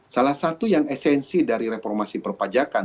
salah satu yang esensi dari reformasi perpajakan